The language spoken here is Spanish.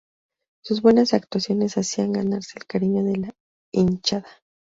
Sus buenas actuaciones hacían ganarse el cariño de la hinchada.